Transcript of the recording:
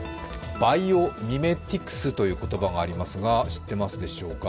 バイオミメティクスという言葉がありますが知ってますでしょうか。